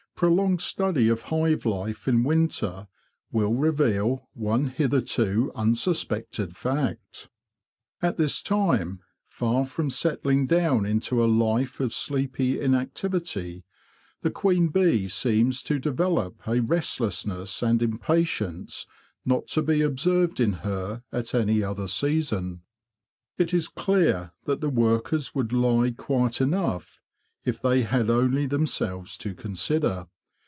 Prolonged study of hive life in winter will reveal one hitherto unsuspected fact. At this time, far from settling down into a life of sleepy inactivity, the queen bee seems to develop a restlessness and impatience not 184 THE BEE MASTER OF WARRILOW to be observed in her at any other season. It is clear that the workers would lie quiet enough, if they had only themselves to consider.